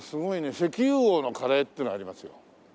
石油王のカレーっていうのありますよ。